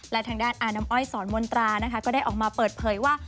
และทางด้านอาน้ำอ้อยสอนมนตรานะคะก็ได้ออกมาเปิดเผยว่า